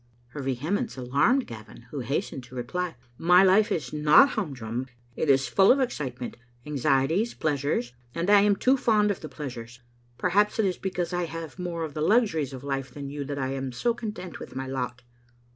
Her vehemence alarmed Gavin, who hastened to reply —" My life is not humdrum. It is full of excitement, anxieties, pleasures, and I am too fond of the pleasures. Perhaps it is because I have more of the luxuries of life than you that I am so content with my lot."